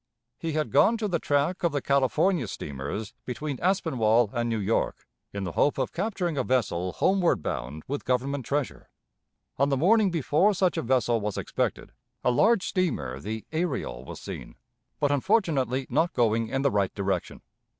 He had gone to the track of the California steamers between Aspinwall and New York, in the hope of capturing a vessel homeward bound with Government treasure. On the morning before such a vessel was expected, a large steamer, the Ariel, was seen, but unfortunately not going in the right direction.